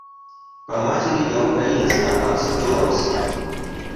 По матери я украинец, а по отцу — белорус.